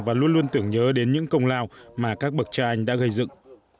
và luôn luôn tưởng nhớ đến những công lao mà các bậc cha anh đã gây dựng